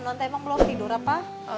non emang belum tidur apa